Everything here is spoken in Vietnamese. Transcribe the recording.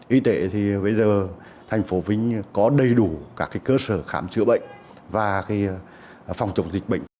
y tế thì bây giờ thành phố vinh có đầy đủ các cơ sở khám chữa bệnh và phòng chống dịch bệnh